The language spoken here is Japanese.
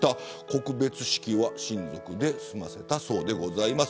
告別式は親族で済ませたそうです。